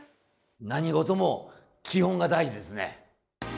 何事も基本が大事ですね。